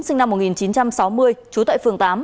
sinh năm một nghìn chín trăm sáu mươi trú tại phường tám